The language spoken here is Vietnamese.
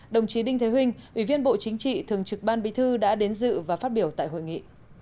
đồng chí đinh thế huệ ủy viên bộ chính trị thường trực ban bí thư đã đến dự và phát biểu tại hội nghị